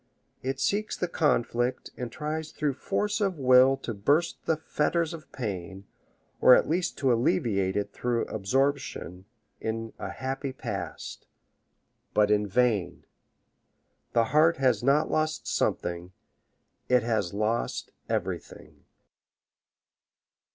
It seeks the conflict, and tries through force of will to burst the fetters of pain, or at least to alleviate it through absorption in a happy past. But in vain! The heart has not lost something it has lost everything.